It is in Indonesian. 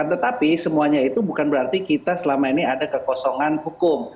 tetapi semuanya itu bukan berarti kita selama ini ada kekosongan hukum